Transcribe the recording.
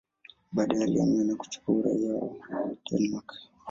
Baadaye alihamia na kuchukua uraia wa Denmark.